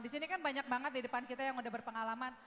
di sini kan banyak banget di depan kita yang udah berpengalaman